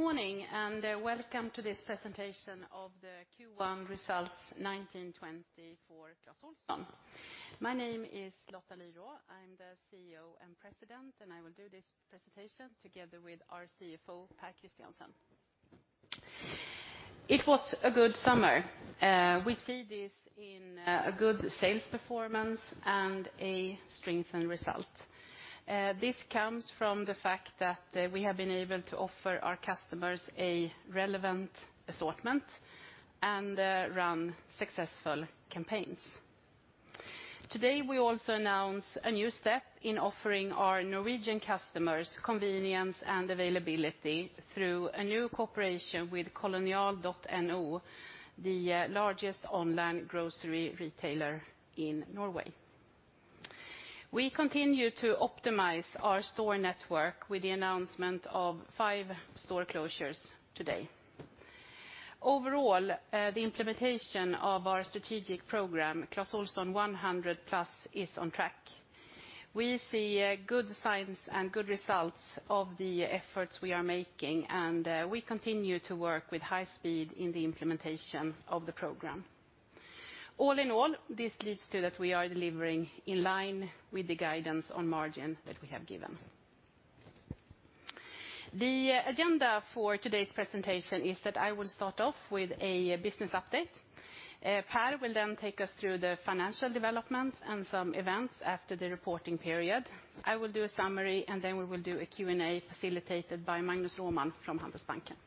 Morning, welcome to this presentation of the Q1 results 2019/2020 for Clas Ohlson. My name is Lotta Lyrå. I'm the CEO and President. I will do this presentation together with our CFO, Pär Christiansen. It was a good summer. We see this in a good sales performance and a strengthened result. This comes from the fact that we have been able to offer our customers a relevant assortment and run successful campaigns. Today, we also announce a new step in offering our Norwegian customers convenience and availability through a new cooperation with Kolonial.no, the largest online grocery retailer in Norway. We continue to optimize our store network with the announcement of five store closures today. Overall, the implementation of our strategic program, Clas Ohlson 100+, is on track. We see good signs and good results of the efforts we are making, and we continue to work with high speed in the implementation of the program. All in all, this leads to that we are delivering in line with the guidance on margin that we have given. The agenda for today's presentation is that I will start off with a business update. Pär will then take us through the financial developments and some events after the reporting period. I will do a summary, and then we will do a Q&A facilitated by Magnus Råman from Handelsbanken.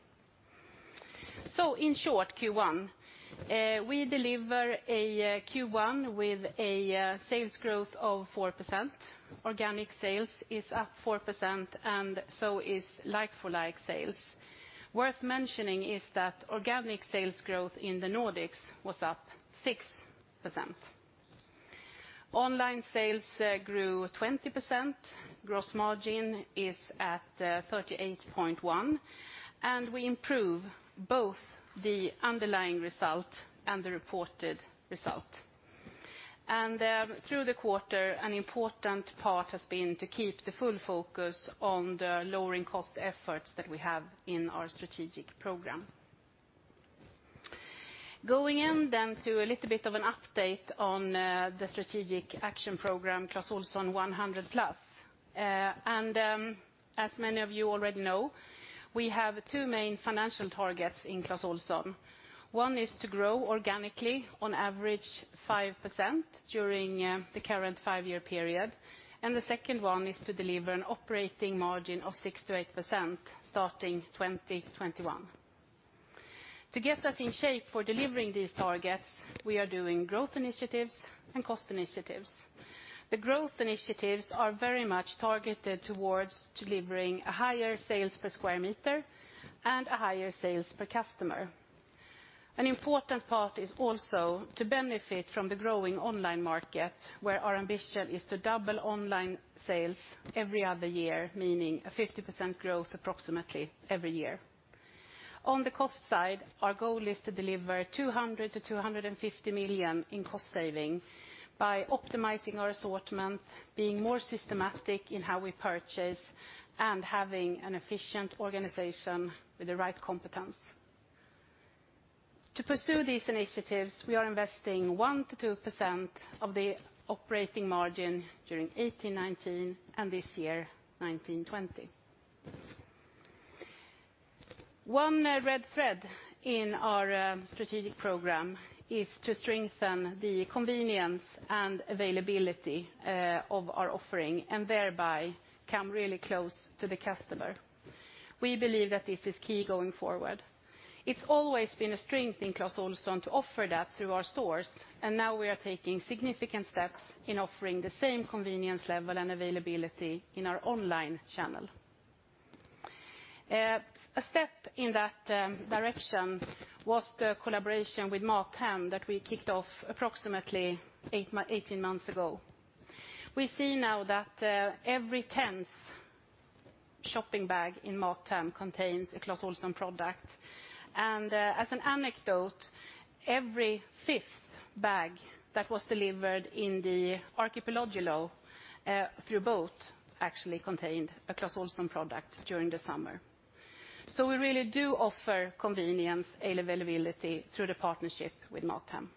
In short, Q1, we deliver a Q1 with a sales growth of 4%. Organic sales is up 4%, and so is like-for-like sales. Worth mentioning is that organic sales growth in the Nordics was up 6%. Online sales grew 20%. Gross margin is at 38.1%, and we improve both the underlying result and the reported result. Through the quarter, an important part has been to keep the full focus on the lowering cost efforts that we have in our strategic program. Going in then to a little bit of an update on the strategic action program, Clas Ohlson 100+. As many of you already know, we have two main financial targets in Clas Ohlson. One is to grow organically on average 5% during the current five-year period, and the second one is to deliver an operating margin of 6%-8% starting 2021. To get us in shape for delivering these targets, we are doing growth initiatives and cost initiatives. The growth initiatives are very much targeted towards delivering a higher sales per square meter and a higher sales per customer. An important part is also to benefit from the growing online market, where our ambition is to double online sales every other year, meaning a 50% growth approximately every year. On the cost side, our goal is to deliver 200 million-250 million in cost saving by optimizing our assortment, being more systematic in how we purchase, and having an efficient organization with the right competence. To pursue these initiatives, we are investing 1%-2% of the operating margin during 2018-2019 and this year, 2019-2020. One red thread in our strategic program is to strengthen the convenience and availability of our offering and thereby come really close to the customer. We believe that this is key going forward. It's always been a strength in Clas Ohlson to offer that through our stores. Now we are taking significant steps in offering the same convenience level and availability in our online channel. A step in that direction was the collaboration with MatHem that we kicked off approximately 18 months ago. We see now that every 10th shopping bag in MatHem contains a Clas Ohlson product. As an anecdote, every fifth bag that was delivered in the archipelago through boat actually contained a Clas Ohlson product during the summer. We really do offer convenience and availability through the partnership with MatHem.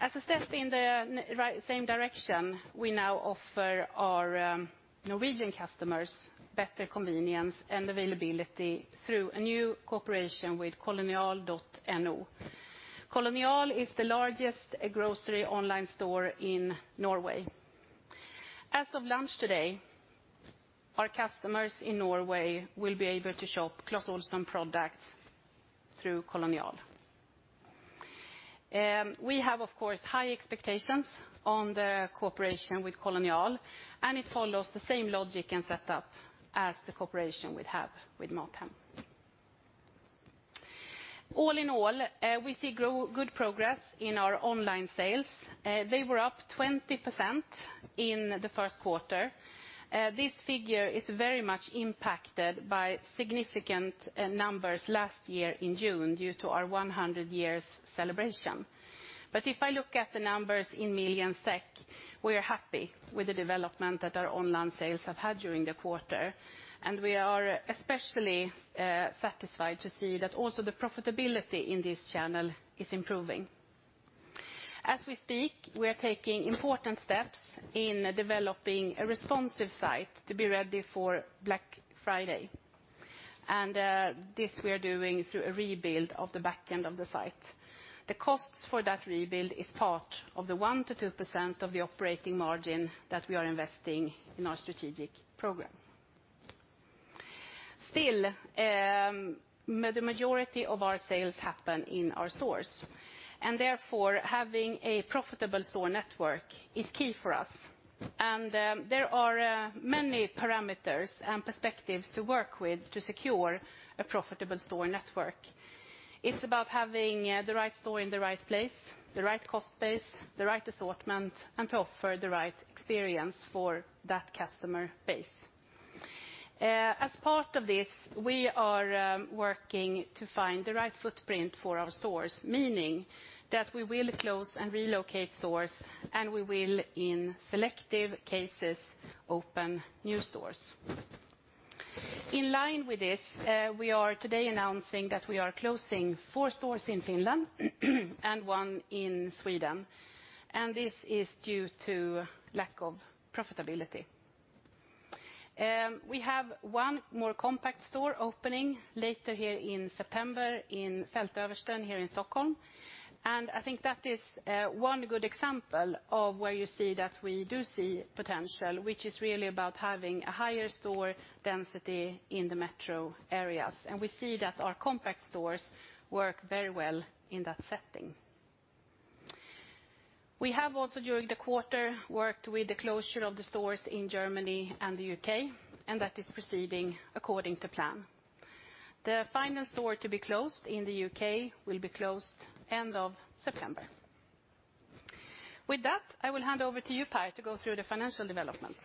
As a step in the same direction, we now offer our Norwegian customers better convenience and availability through a new cooperation with Kolonial.no. Kolonial is the largest grocery online store in Norway. As of launch today, our customers in Norway will be able to shop Clas Ohlson products through Kolonial. We have, of course, high expectations on the cooperation with Kolonial, and it follows the same logic and setup as the cooperation we have with MatHem. All in all, we see good progress in our online sales. They were up 20% in the first quarter. This figure is very much impacted by significant numbers last year in June due to our 100 years celebration. We are happy with the development that our online sales have had during the quarter, and we are especially satisfied to see that also the profitability in this channel is improving. As we speak, we are taking important steps in developing a responsive site to be ready for Black Friday. This we are doing through a rebuild of the back end of the site. The costs for that rebuild is part of the 1%-2% of the operating margin that we are investing in our strategic program. Still, the majority of our sales happen in our stores, and therefore, having a profitable store network is key for us. There are many parameters and perspectives to work with to secure a profitable store network. It's about having the right store in the right place, the right cost base, the right assortment, and to offer the right experience for that customer base. As part of this, we are working to find the right footprint for our stores, meaning that we will close and relocate stores, and we will, in selective cases, open new stores. In line with this, we are today announcing that we are closing four stores in Finland and one in Sweden. This is due to lack of profitability. We have one more compact store opening later here in September in Fältöversten here in Stockholm. I think that is one good example of where you see that we do see potential, which is really about having a higher store density in the metro areas. We see that our compact stores work very well in that setting. We have also during the quarter worked with the closure of the stores in Germany and the U.K. That is proceeding according to plan. The final store to be closed in the U.K. will be closed end of September. With that, I will hand over to you, Pär, to go through the financial development.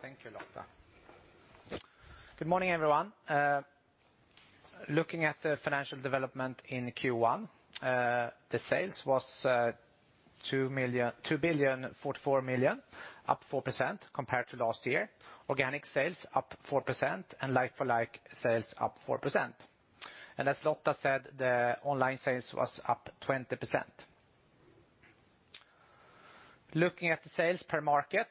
Thank you, Lotta. Good morning, everyone. Looking at the financial development in Q1, the sales was 2 billion 44 million, up 4% compared to last year. Organic sales up 4% and like-for-like sales up 4%. As Lotta said, the online sales was up 20%. Looking at the sales per market,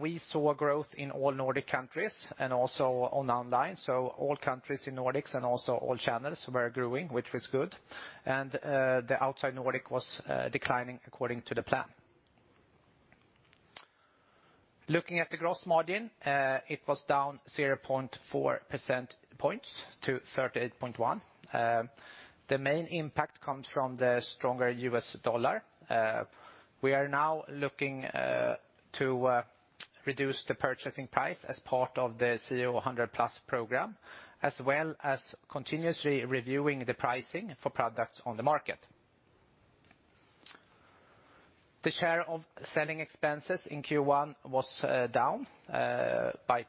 we saw growth in all Nordic countries and also on online. All countries in Nordics and also all channels were growing, which was good. The outside Nordic was declining according to the plan. Looking at the gross margin, it was down 0.4 percentage points to 38.1%. The main impact comes from the stronger US dollar. We are now looking to reduce the purchasing price as part of the CO100+ program, as well as continuously reviewing the pricing for products on the market. The share of selling expenses in Q1 was down by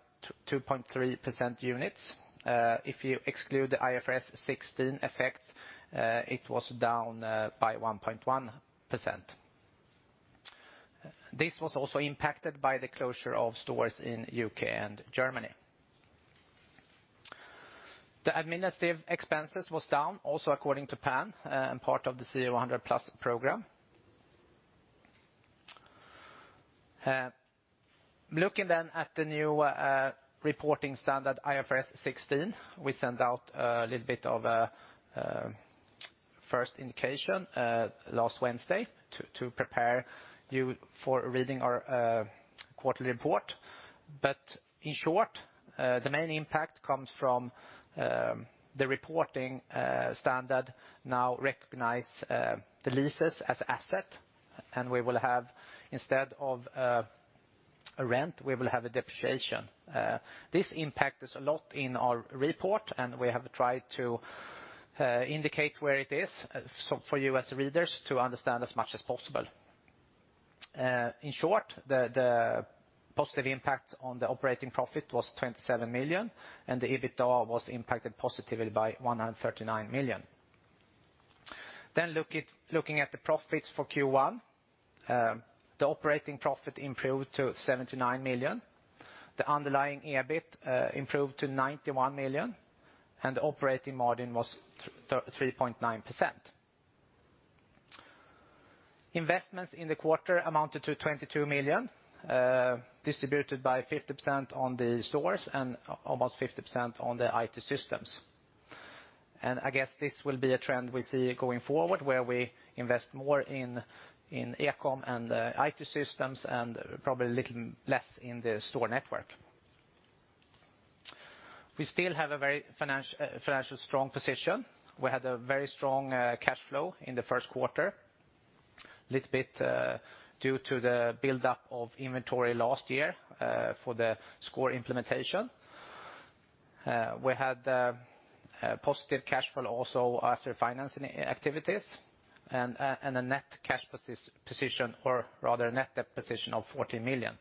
2.3% units. If you exclude the IFRS16 effects, it was down by 1.1%. This was also impacted by the closure of stores in UK and Germany. The administrative expenses was down also according to plan and part of the CO100+ program. Looking then at the new reporting standard, IFRS16, we sent out a little bit of a first indication last Wednesday to prepare you for reading our quarterly report. In short, the main impact comes from the reporting standard now recognize the leases as asset, and we will have, instead of a rent, we will have a depreciation. This impact is a lot in our report, and we have tried to indicate where it is so for you as readers to understand as much as possible. In short, the positive impact on the operating profit was 27 million, and the EBITDA was impacted positively by 139 million. Looking at the profits for Q1, the operating profit improved to 79 million. The underlying EBIT improved to 91 million, and operating margin was 3.9%. Investments in the quarter amounted to 22 million, distributed by 50% on the stores and almost 50% on the IT systems. I guess this will be a trend we see going forward, where we invest more in e-com and IT systems and probably a little less in the store network. We still have a very financial strong position. We had a very strong cash flow in the first quarter, little bit due to the buildup of inventory last year for the score implementation. We had a positive cash flow also after financing activities and a net cash position, or rather net debt position of 40 million.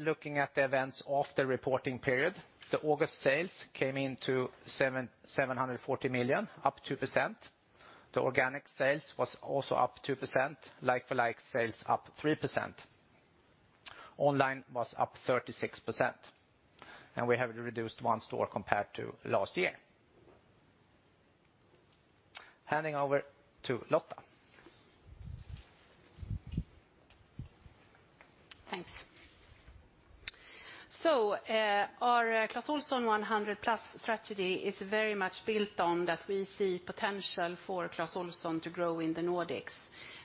Looking at the events of the reporting period, the August sales came in to 740 million, up 2%. The organic sales was also up 2%, like-for-like sales up 3%. Online was up 36%, and we have reduced one store compared to last year. Handing over to Lotta Lyrå. Thanks. Our Clas Ohlson 100+ strategy is very much built on that we see potential for Clas Ohlson to grow in the Nordics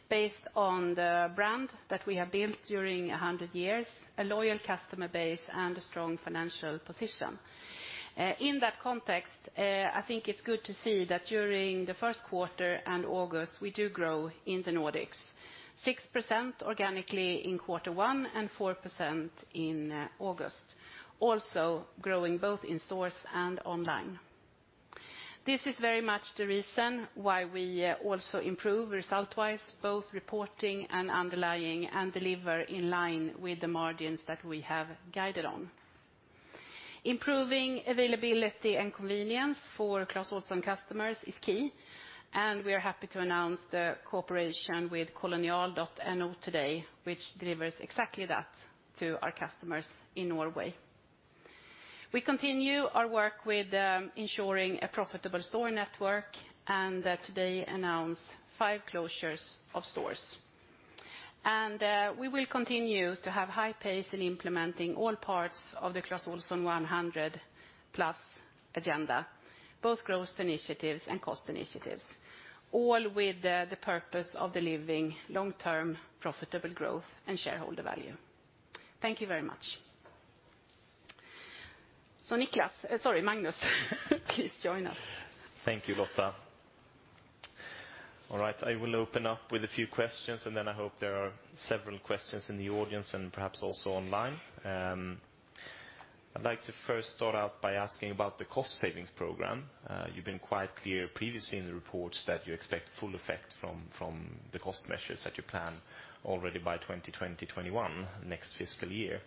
based on the brand that we have built during 100 years, a loyal customer base, and a strong financial position. In that context, I think it's good to see that during the 1st quarter and August, we do grow in the Nordics 6% organically in quarter 1 and 4% in August, also growing both in stores and online. This is very much the reason why we also improve result-wise, both reporting and underlying, and deliver in line with the margins that we have guided on. Improving availability and convenience for Clas Ohlson customers is key, and we are happy to announce the cooperation with Kolonial.no today, which delivers exactly that to our customers in Norway. We continue our work with ensuring a profitable store network, today announce 5 closures of stores. We will continue to have high pace in implementing all parts of the Clas Ohlson One Hundred Plus agenda, both growth initiatives and cost initiatives, all with the purpose of delivering long-term profitable growth and shareholder value. Thank you very much. Niklas, sorry, Magnus, please join us. Thank you, Lotta. All right, I will open up with a few questions, and then I hope there are several questions in the audience and perhaps also online. I'd like to first start out by asking about the cost savings program. You've been quite clear previously in the reports that you expect full effect from the cost measures that you plan already by 2020-2021, next fiscal year.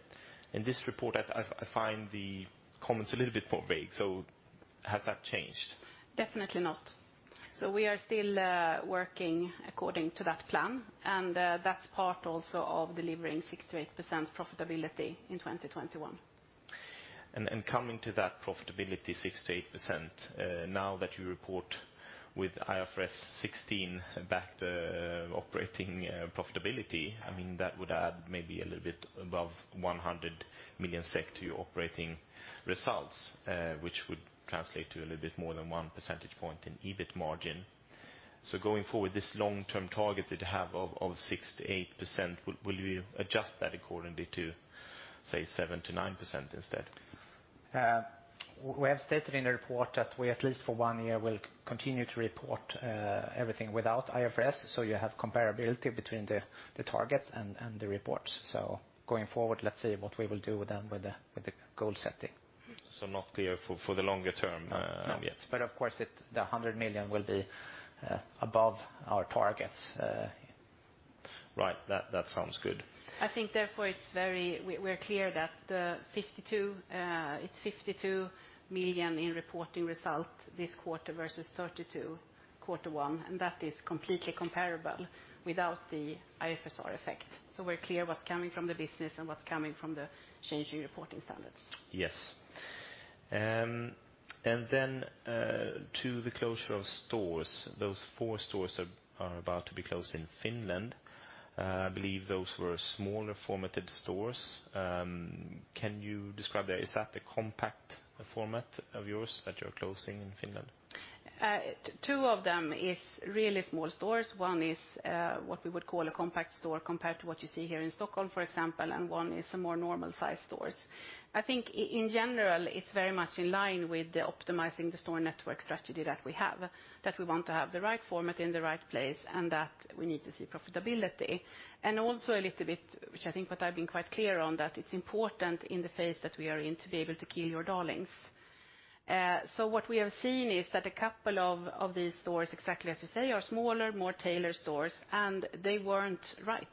In this report I find the comments a little bit more vague, so has that changed? Definitely not. We are still working according to that plan, that's part also of delivering 6%-8% profitability in 2021. Coming to that profitability 6%-8%, now that you report with IFRS16 back the operating profitability, I mean that would add maybe a little bit above 100 million SEK to your operating results, which would translate to a little bit more than 1 percentage point in EBIT margin. Going forward, this long-term target that you have of 6%-8%, will you adjust that accordingly to, say, 7%-9% instead? We have stated in the report that we at least for one year will continue to report everything without IFRS, so you have comparability between the targets and the reports. Going forward, let's see what we will do then with the goal setting. Not clear for the longer term, yet? No. Of course it, the 100 million will be above our targets. Right. That sounds good. We're clear that the 52 million in reporting result this quarter versus 32 quarter one. That is completely comparable without the IFRS effect. We're clear what's coming from the business and what's coming from the changing reporting standards. Yes. To the closure of stores, those four stores are about to be closed in Finland. I believe those were smaller formatted stores. Can you describe that? Is that the compact format of yours that you're closing in Finland? Two of them is really small stores. One is what we would call a compact store compared to what you see here in Stockholm, for example, and one is a more normal-sized stores. I think in general, it's very much in line with the optimizing the store network strategy that we have, that we want to have the right format in the right place, and that we need to see profitability. Also a little bit, which I think what I've been quite clear on, that it's important in the phase that we are in to be able to kill your darlings. So what we have seen is that a couple of these stores, exactly as you say, are smaller, more tailored stores, and they weren't right.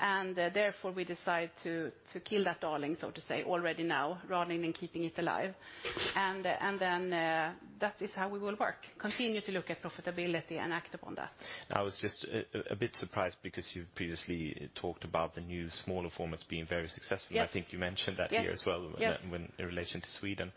Therefore we decide to kill that darling, so to say, already now rather than keeping it alive. That is how we will work, continue to look at profitability and act upon that. I was just a bit surprised because you've previously talked about the new smaller formats being very successful. Yes. I think you mentioned that here as well. Yes. Yes ...when, in relation to Sweden.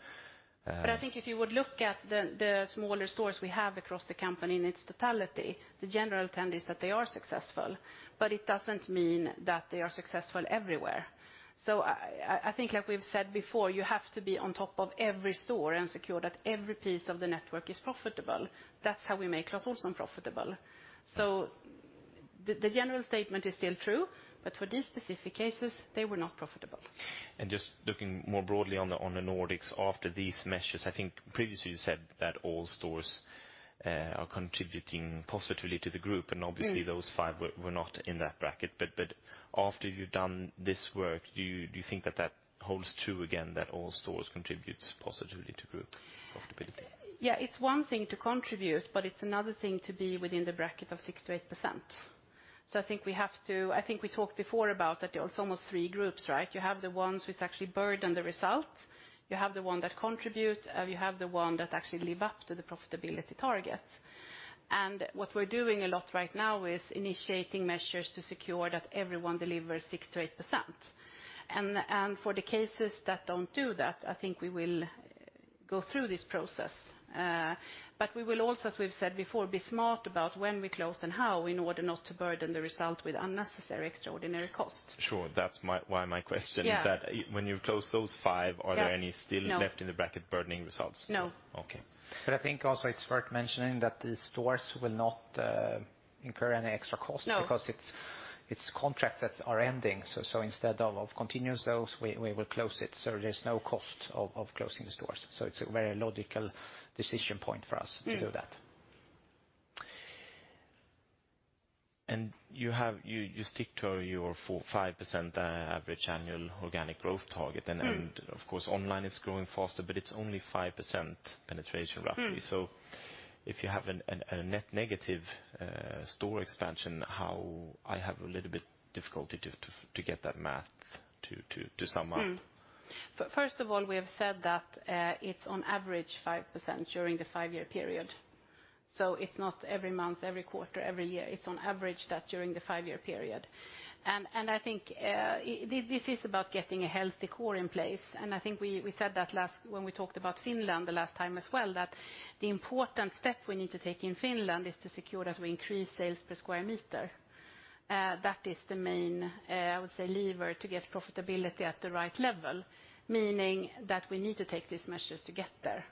I think if you would look at the smaller stores we have across the company in its totality, the general trend is that they are successful, but it doesn't mean that they are successful everywhere. I think as we've said before, you have to be on top of every store and secure that every piece of the network is profitable. That's how we make Clas Ohlson profitable. The general statement is still true, but for these specific cases, they were not profitable. Just looking more broadly on the, on the Nordics, after these measures, I think previously you said that all stores are contributing positively to the group. Mm. ...and obviously those five were not in that bracket. After you've done this work, do you think that holds true again, that all stores contributes positively to group profitability? It's one thing to contribute, but it's another thing to be within the bracket of 6%-8%. I think we talked before about that it's almost 3 groups, right? You have the ones which actually burden the result. You have the one that contribute, and you have the one that actually live up to the profitability target. What we're doing a lot right now is initiating measures to secure that everyone delivers 6%-8%. For the cases that don't do that, I think we will go through this process. We will also, as we've said before, be smart about when we close and how in order not to burden the result with unnecessary extraordinary costs. Sure. That's my... why my question- Yeah. is that when you close those five- Yeah. are there any still- No. left in the bracket burdening results? No. Okay. I think also it's worth mentioning that the stores will not incur any extra cost-. No. Because it's contracts that are ending. Instead of continuous those, we will close it. There's no cost of closing the stores. It's a very logical decision point for us to do that. Mm-hmm. You stick to your 4%-5% average annual organic growth target. Mm-hmm. Of course, online is growing faster, but it's only 5% penetration roughly. Mm-hmm. If you have a net negative store expansion, I have a little bit difficulty to get that math to sum up. First of all, we have said that it's on average 5% during the 5-year period. It's not every month, every quarter, every year. It's on average that during the 5-year period. I think this is about getting a healthy core in place. I think we said that last when we talked about Finland the last time as well, that the important step we need to take in Finland is to secure that we increase sales per square meter. That is the main, I would say lever to get profitability at the right level, meaning that we need to take these measures to get there.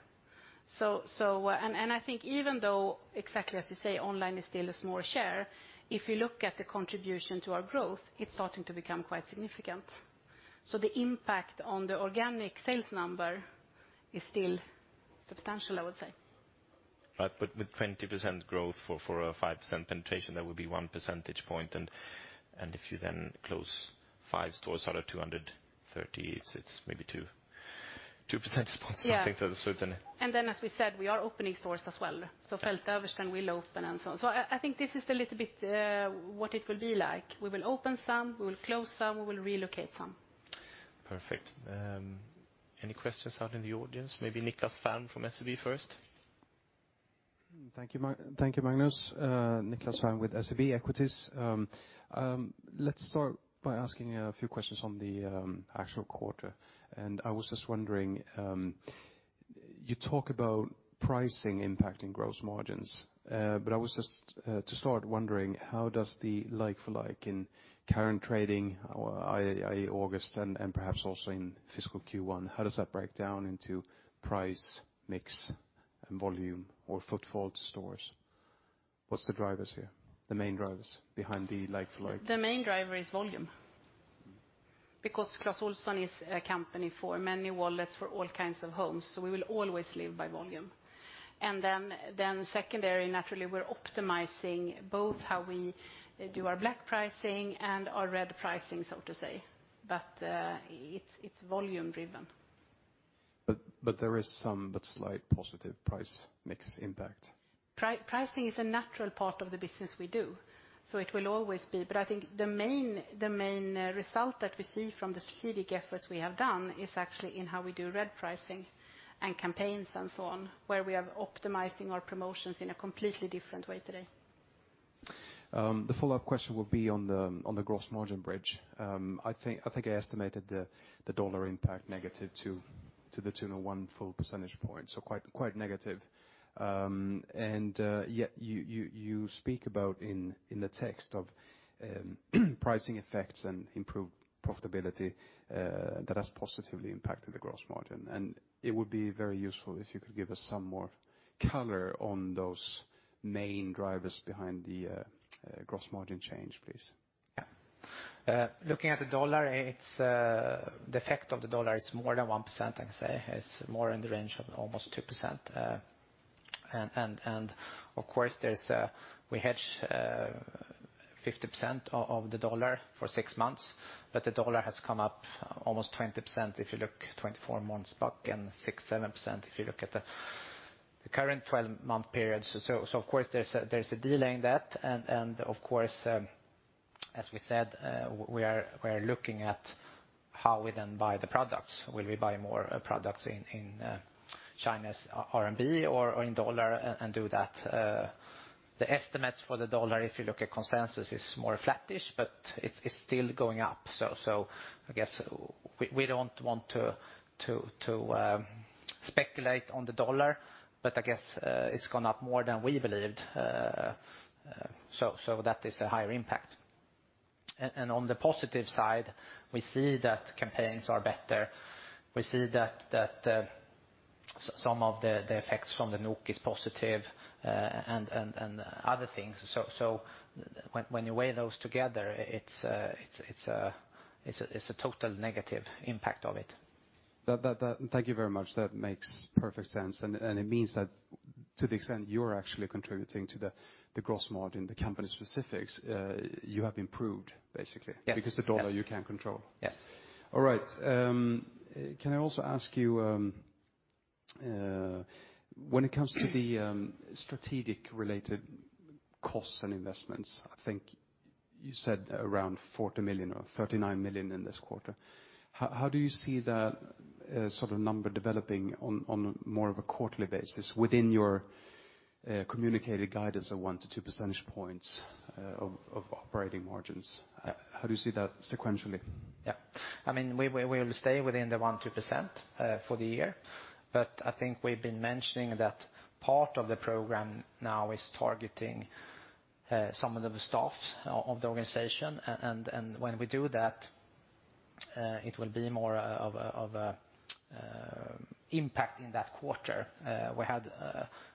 Even though, exactly as you say, online is still a small share, if you look at the contribution to our growth, it's starting to become quite significant. The impact on the organic sales number is still substantial, I would say. Right. With 20% growth for a 5% penetration, that would be 1 percentage point. If you then close five stores out of 230, it's maybe two percent spots. Yeah. I think that certain... As we said, we are opening stores as well. Yeah. Fältöversten will open and so on. I think this is a little bit what it will be like. We will open some, we will close some, we will relocate some. Perfect. Any questions out in the audience? Maybe Niklas Ekman from SEB first. Thank you, thank you, Magnus. Niklas Ekman with SEB Equities. Let's start by asking a few questions on the actual quarter. I was just wondering, you talk about pricing impacting gross margins. I was just to start wondering how does the like-for-like in current trading or i.e. August and perhaps also in fiscal Q1, how does that break down into price, mix, and volume or footfall to stores? What's the drivers here, the main drivers behind the like-for-like? The main driver is volume. Because Clas Ohlson is a company for many wallets for all kinds of homes, so we will always live by volume. Then secondary, naturally, we're optimizing both how we do our black pricing and our red pricing, so to say. It's volume driven. There is some slight positive price mix impact. Pricing is a natural part of the business we do, so it will always be. I think the main result that we see from the strategic efforts we have done is actually in how we do red pricing and campaigns and so on, where we are optimizing our promotions in a completely different way today. The follow-up question would be on the gross margin bridge. I think I estimated the dollar impact negative to the tune of 1 full percentage point, so quite negative. Yet you speak about in the text of pricing effects and improved profitability that has positively impacted the gross margin. It would be very useful if you could give us some more color on those main drivers behind the gross margin change, please. Looking at the dollar, the effect of the dollar is more than 1%, I can say. It's more in the range of almost 2%. Of course, there's, we hedge 50% of the dollar for 6 months, but the dollar has come up almost 20% if you look 24 months back and 6, 7% if you look at the current 12-month period. Of course, there's a delay in that, and of course, as we said, we are looking at how we then buy the products. Will we buy more products in China's RMB or in dollar and do that? The estimates for the dollar, if you look at consensus, is more flattish, but it's still going up. I guess we don't want to speculate on the dollar, but I guess it's gone up more than we believed. That is a higher impact. On the positive side, we see that campaigns are better. We see that some of the effects from the NOK is positive, and other things. When you weigh those together, it's a total negative impact of it. That. Thank you very much. That makes perfect sense. It means that to the extent you're actually contributing to the gross margin, the company specifics, you have improved basically. Yes. Yes. The dollar you can't control. Yes. All right. Can I also ask you, When it comes to the strategic related costs and investments, I think you said around 40 million or 39 million in this quarter. How do you see that sort of number developing on more of a quarterly basis within your communicated guidance of 1 to 2 percentage points of operating margins? How do you see that sequentially? Yeah. I mean, we'll stay within the 1%-2% for the year. I think we've been mentioning that part of the program now is targeting some of the staffs of the organization. When we do that, it will be more of a impact in that quarter. We had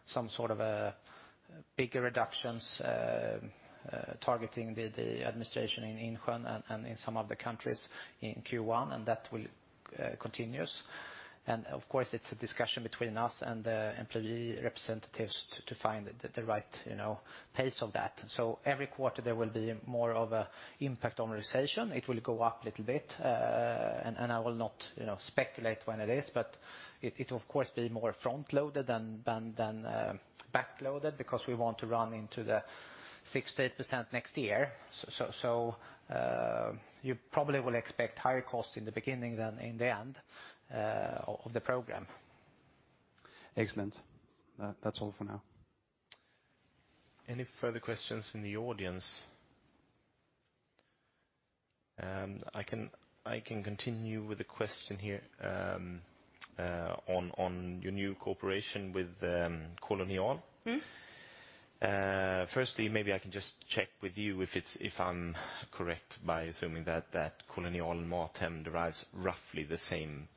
some sort of a bigger reductions targeting the administration in Insjön and in some of the countries in Q1, and that will continues. Of course, it's a discussion between us and the employee representatives to find the right, you know, pace of that. Every quarter there will be more of a impact on realization. It will go up a little bit. I will not, you know, speculate when it is, but it of course be more front-loaded than back-loaded because we want to run into the 6%-8% next year. You probably will expect higher costs in the beginning than in the end, of the program. Excellent. That's all for now. Any further questions in the audience? I can continue with a question here, on your new cooperation with Kolonial.no. Mm-hmm. Firstly, maybe I can just check with you if I'm correct by assuming that Kolonial.no and MatHem derives roughly the same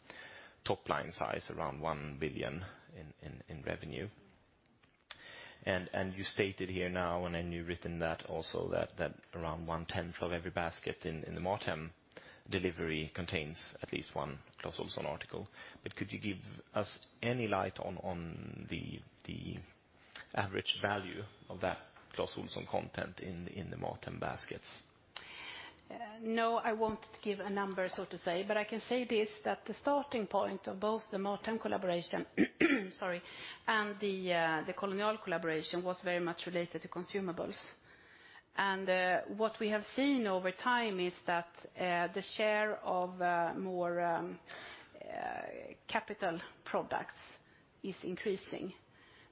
top line size, around 1 billion in revenue. You stated here now, and then you've written that also that around 1/10 of every basket in the MatHem delivery contains at least one Clas Ohlson article. Could you give us any light on the average value of that Clas Ohlson content in the MatHem baskets? No, I won't give a number, so to say. I can say this, that the starting point of both the MatHem collaboration, sorry, and the Kolonial.no collaboration was very much related to consumables. What we have seen over time is that the share of more capital products is increasing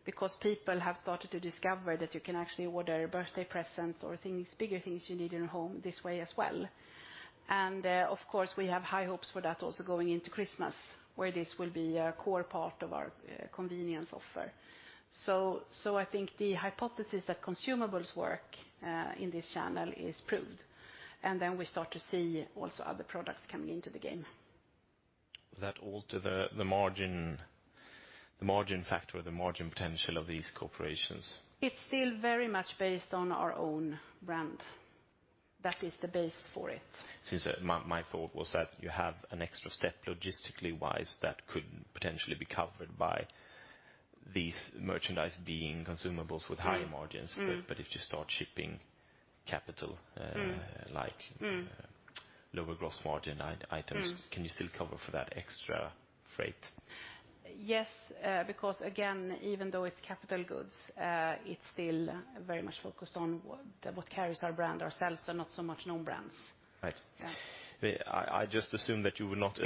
because people have started to discover that you can actually order birthday presents or things, bigger things you need in a home this way as well. Of course, we have high hopes for that also going into Christmas, where this will be a core part of our convenience offer. I think the hypothesis that consumables work in this channel is proved, and then we start to see also other products coming into the game. That alter the margin, the margin factor or the margin potential of these corporations? It's still very much based on our own brand. That is the base for it. Since, my thought was that you have an extra step logistically-wise that could potentially be covered by these merchandise being consumables with higher margins. Mm-hmm. if you start shipping capital. Mm. -uh, like- Mm. lower gross margin items Mm. Can you still cover for that extra freight? Yes, because again, even though it's capital goods, it's still very much focused on what carries our brand ourselves and not so much known brands. Right. Yeah. I just assume that you would not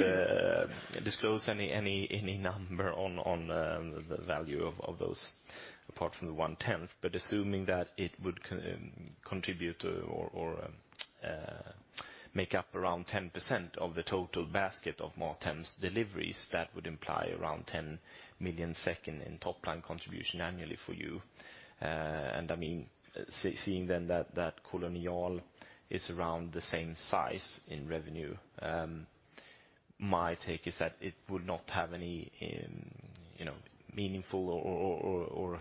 disclose any number on the value of those apart from the one-tenth. Assuming that it would contribute or make up around 10% of the total basket of MatHem's deliveries, that would imply around 10 million in top-line contribution annually for you. I mean, seeing then that Kolonial.no is around the same size in revenue, my take is that it would not have any, you know, meaningful or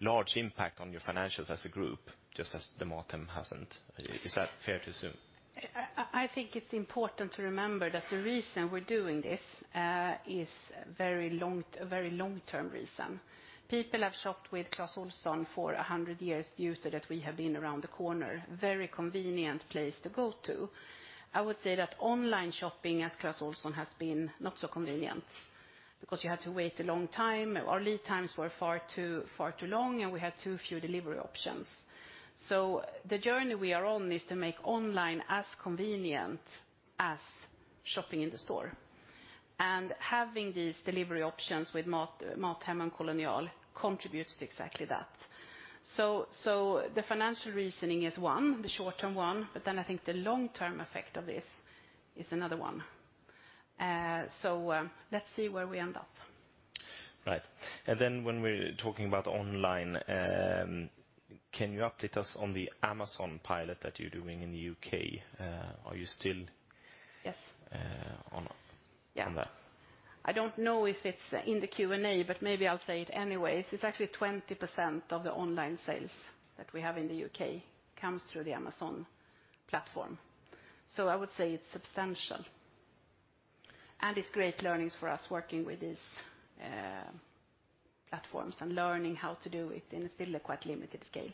large impact on your financials as a group, just as MatHem hasn't. Is that fair to assume? I think it's important to remember that the reason we're doing this is very long, a very long-term reason. People have shopped with Clas Ohlson for 100 years due to that we have been around the corner, very convenient place to go to. I would say that online shopping at Clas Ohlson has been not so convenient because you had to wait a long time, our lead times were far too long, and we had too few delivery options. The journey we are on is to make online as convenient as shopping in the store. Having these delivery options with MatHem and Kolonial.no contributes to exactly that. The financial reasoning is one, the short-term one, I think the long-term effect of this is another one. Let's see where we end up. Right. When we're talking about online, can you update us on the Amazon pilot that you're doing in the U.K.? Yes. -uh, on- Yeah. -on that? I don't know if it's in the Q&A, but maybe I'll say it anyway. It's actually 20% of the online sales that we have in the U.K. comes through the Amazon platform. I would say it's substantial. It's great learnings for us working with these platforms and learning how to do it in a still quite limited scale.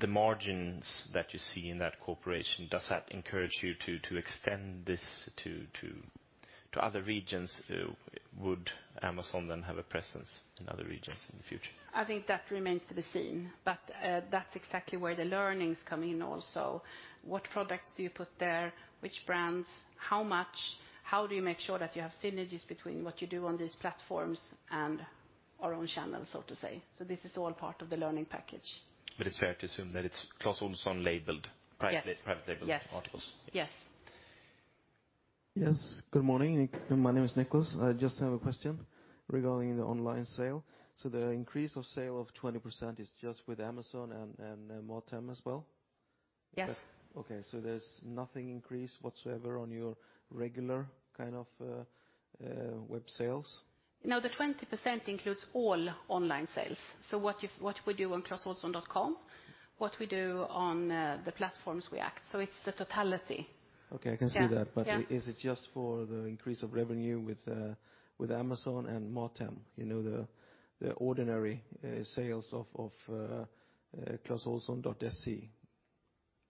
The margins that you see in that cooperation, does that encourage you to extend this to other regions? Would Amazon then have a presence in other regions in the future? I think that remains to be seen, but that's exactly where the learnings come in also. What products do you put there? Which brands? How much? How do you make sure that you have synergies between what you do on these platforms and our own channels, so to say? This is all part of the learning package. It's fair to assume that it's Clas Ohlson labeled-. Yes. Private labeled articles. Yes. Yes. Yes. Good morning. My name is Niklas. I just have a question regarding the online sale. The increase of sale of 20% is just with Amazon and MatHem as well? Yes. Okay. There's nothing increased whatsoever on your regular kind of web sales? No, the 20% includes all online sales. what we do on clasohlson.com, what we do on the platforms we act. It's the totality. Okay. I can see that. Yeah. Yeah. Is it just for the increase of revenue with Amazon and MatHem? You know, the ordinary sales of clasohlson.se.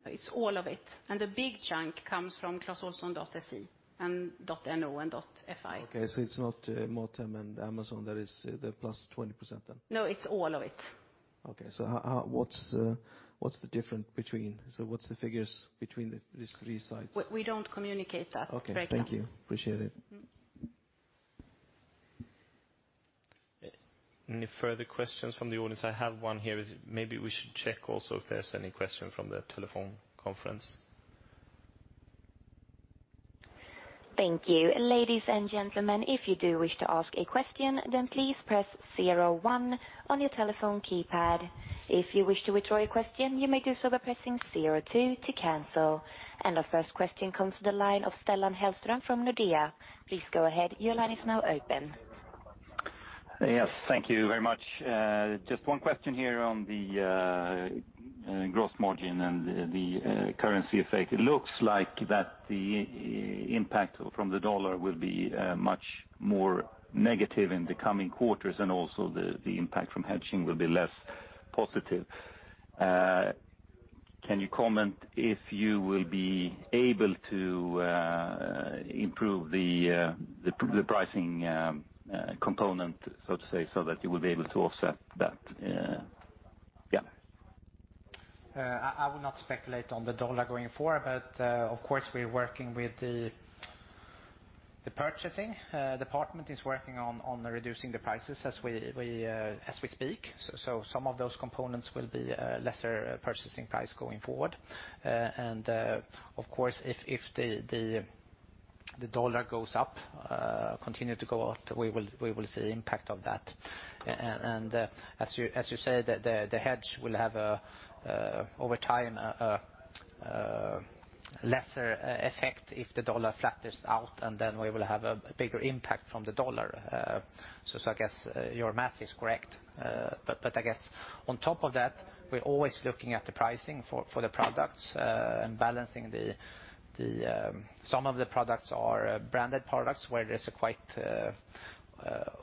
It's all of it. The big chunk comes from clasohlson.se and .no and .fi. Okay, it's not MatHem and Amazon that is the plus 20% then? No, it's all of it. Okay. How, what's the difference between? What's the figures between these three sites? We don't communicate that right now. Okay, thank you. Appreciate it. Mm-hmm. Any further questions from the audience? I have one here. Maybe we should check also if there's any question from the telephone conference. Thank you. Ladies and gentlemen, if you do wish to ask a question, please press zero one on your telephone keypad. If you wish to withdraw your question, you may do so by pressing zero two to cancel. Our first question comes to the line of Stellan Hellström from Nordea. Please go ahead. Your line is now open. Yes, thank you very much. Just one question here on the gross margin and the currency effect. It looks like that the impact from the dollar will be much more negative in the coming quarters, and also the impact from hedging will be less positive. Can you comment if you will be able to improve the pricing component, so to say, so that you will be able to offset that? I would not speculate on the dollar going forward, but of course, we're working with the purchasing department is working on reducing the prices as we, as we speak. Some of those components will be lesser purchasing price going forward. Of course, if the dollar goes up, continue to go up, we will see impact of that. As you said, the hedge will have a, over time, lesser effect if the dollar flattens out, and then we will have a bigger impact from the dollar. I guess your math is correct. I guess on top of that, we're always looking at the pricing for the products, and balancing the... Some of the products are branded products where there's a quite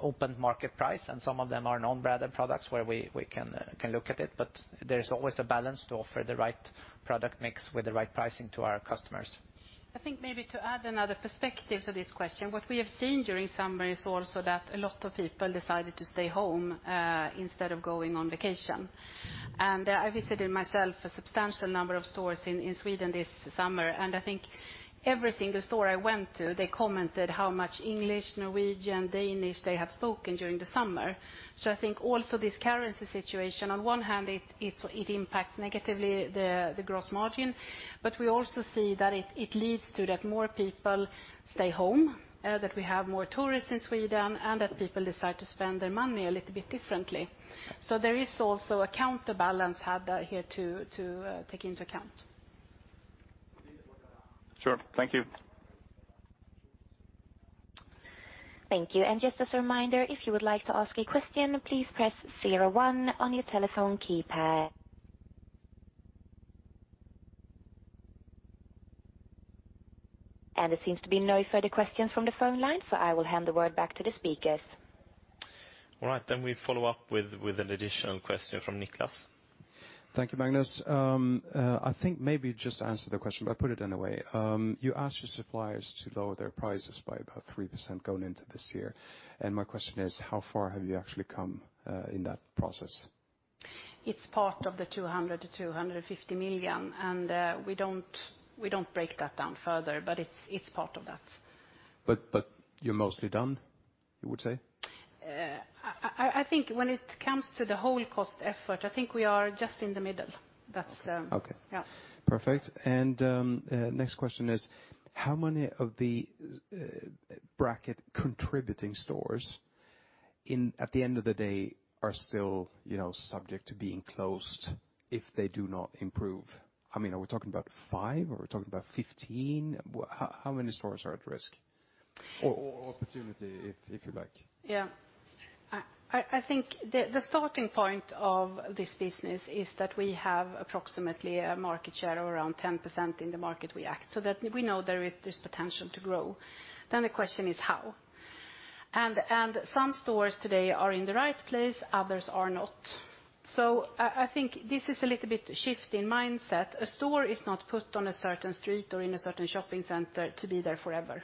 open market price, and some of them are non-branded products where we can look at it. There's always a balance to offer the right product mix with the right pricing to our customers. I think maybe to add another perspective to this question, what we have seen during summer is also that a lot of people decided to stay home, instead of going on vacation. I visited myself a substantial number of stores in Sweden this summer, and I think every single store I went to, they commented how much English, Norwegian, Danish they have spoken during the summer. I think also this currency situation, on one hand, it, so it impacts negatively the gross margin, but we also see that it leads to that more people stay home, that we have more tourists in Sweden and that people decide to spend their money a little bit differently. There is also a counterbalance had here to take into account. Sure. Thank you. Thank you. Just as a reminder, if you would like to ask a question, please press zero one on your telephone keypad. There seems to be no further questions from the phone line, so I will hand the word back to the speakers. All right. We follow up with an additional question from Niklas. Thank you, Magnus. I think maybe you just answered the question, but put it in a way. You asked your suppliers to lower their prices by about 3% going into this year, and my question is, how far have you actually come in that process? It's part of the 200 million-250 million, and we don't break that down further, but it's part of that. You're mostly done, you would say? I think when it comes to the whole cost effort, I think we are just in the middle. That's. Okay. Yeah. Perfect. Next question is, how many of the bracket contributing stores in, at the end of the day are still, you know, subject to being closed if they do not improve? I mean, are we talking about 5, or are we talking about 15? How many stores are at risk? Or opportunity, if you like. Yeah. I think the starting point of this business is that we have approximately a market share around 10% in the market we act, so that we know there's potential to grow. The question is how. Some stores today are in the right place, others are not. I think this is a little bit shift in mindset. A store is not put on a certain street or in a certain shopping center to be there forever.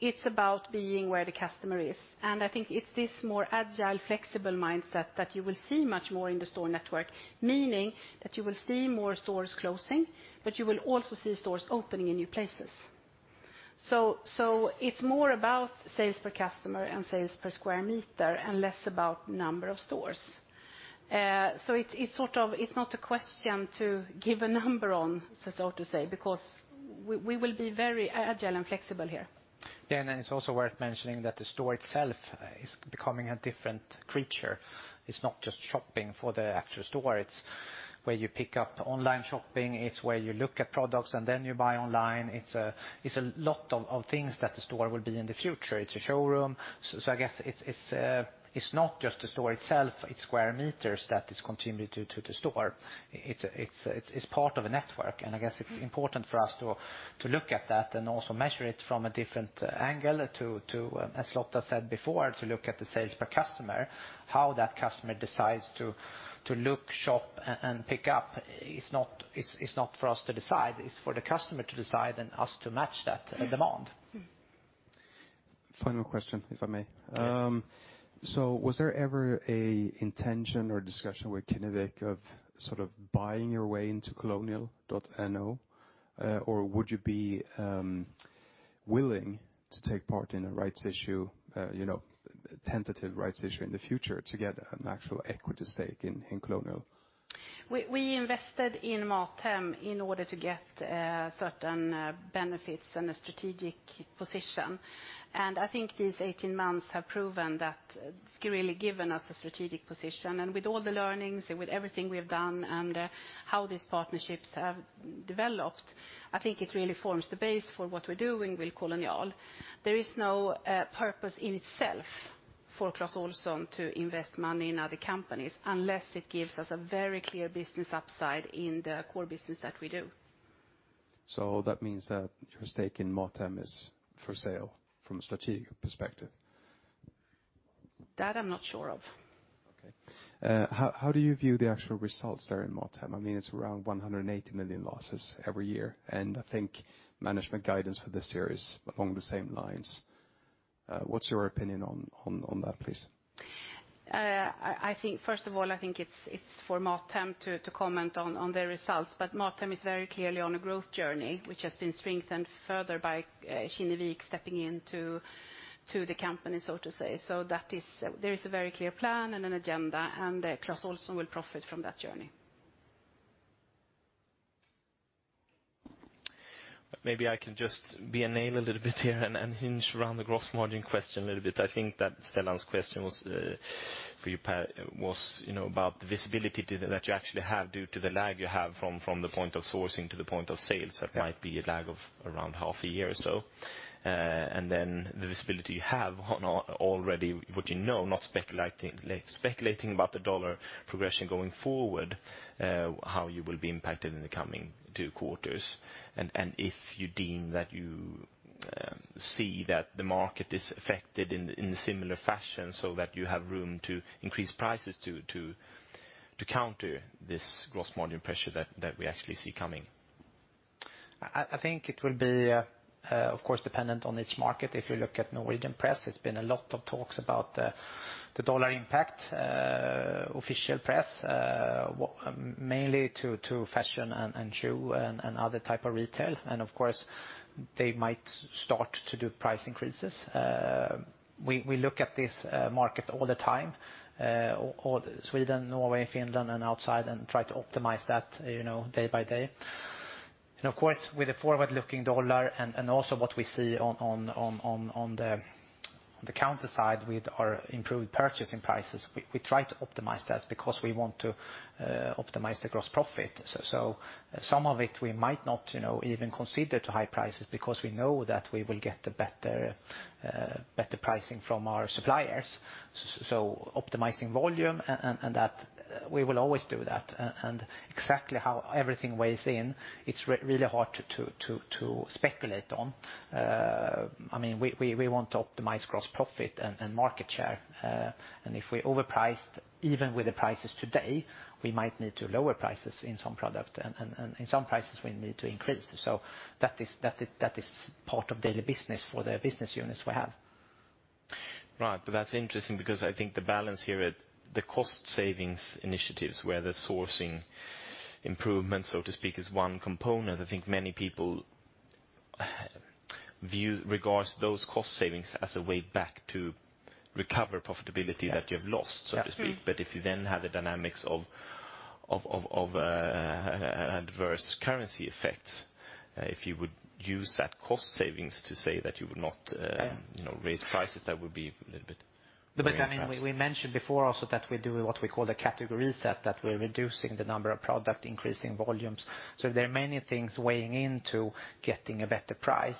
It's about being where the customer is. I think it's this more agile, flexible mindset that you will see much more in the store network. Meaning that you will see more stores closing, but you will also see stores opening in new places. It's more about sales per customer and sales per square meter and less about number of stores. It's not a question to give a number on, so to say, because we will be very agile and flexible here. It's also worth mentioning that the store itself is becoming a different creature. It's not just shopping for the actual store. It's where you pick up online shopping. It's where you look at products and then you buy online. It's a lot of things that the store will be in the future. It's a showroom. I guess it's not just the store itself, its square meters that is continuity to the store. It's part of a network. I guess it's important for us to look at that and also measure it from a different angle to, as Lotta said before, to look at the sales per customer. How that customer decides to look, shop, and pick up is not, it's not for us to decide. It's for the customer to decide and us to match that demand. Mm. Final question, if I may. Yes. Was there ever a intention or discussion with Kinnevik of sort of buying your way into Kolonial.no? Or would you be willing to take part in a rights issue, you know, tentative rights issue in the future to get an actual equity stake in Kolonial? We invested in MatHem in order to get certain benefits and a strategic position. I think these 18 months have proven that it's really given us a strategic position. With all the learnings and with everything we have done and how these partnerships have developed, I think it really forms the base for what we're doing with Kolonial. There is no purpose in itself for Clas Ohlson to invest money in other companies unless it gives us a very clear business upside in the core business that we do. That means that your stake in MatHem is for sale from a strategic perspective? That I'm not sure of. Okay. How do you view the actual results there in MatHem? I mean, it's around 180 million losses every year. I think management guidance for this year is along the same lines. What's your opinion on that, please? I think, first of all, I think it's for MatHem to comment on their results. MatHem is very clearly on a growth journey, which has been strengthened further by Kinnevik stepping into the company, so to say. That is... There is a very clear plan and an agenda, and Clas Ohlson will profit from that journey. Maybe I can just be a nail a little bit here and hinge around the gross margin question a little bit. I think that Stellan's question was for you, Pär, was, you know, about the visibility to the that you actually have due to the lag you have from the point of sourcing to the point of sales. Yeah. that might be a lag of around half a year or so. Then the visibility you have on already, what you know, not speculating about the dollar progression going forward, how you will be impacted in the coming two quarters and if you deem that you see that the market is affected in a similar fashion so that you have room to increase prices to counter this gross margin pressure that we actually see coming. I think it will be, of course dependent on each market. If you look at Norwegian press, it's been a lot of talks about the dollar impact, official press, mainly to fashion and shoe and other type of retail. Of course, they might start to do price increases. We look at this market all the time, Sweden, Norway, Finland and outside, and try to optimize that, you know, day by day. Of course, with the forward-looking dollar and also what we see on the counter side with our improved purchasing prices, we try to optimize that because we want to optimize the gross profit. Some of it we might not, you know, even consider to high prices because we know that we will get the better pricing from our suppliers. Optimizing volume and that, we will always do that. Exactly how everything weighs in, it's really hard to speculate on. I mean, we want to optimize gross profit and market share. If we overpriced even with the prices today, we might need to lower prices in some product and in some prices we need to increase. That is part of daily business for the business units we have. Right. That's interesting because I think the balance here at the cost savings initiatives, where the sourcing improvement, so to speak, is one component. I think many people view, regards those cost savings as a way back to recover profitability... Yeah. that you have lost Yeah. so to speak. If you then have the dynamics of adverse currency effects, if you would use that cost savings to say that you would not. Yeah. you know, raise prices, that would be a little bit interesting. I mean, we mentioned before also that we're doing what we call the category reset, that we're reducing the number of product, increasing volumes. There are many things weighing into getting a better price,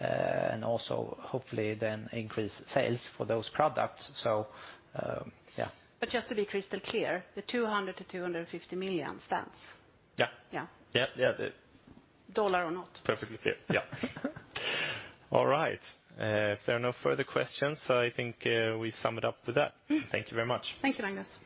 and also hopefully then increase sales for those products. Yeah. Just to be crystal clear, the 200 million-250 million stands. Yeah. Yeah. Yeah, yeah. Dollar or not. Perfectly clear. Yeah. All right. If there are no further questions, I think, we sum it up with that. Mm. Thank you very much. Thank you, Magnus.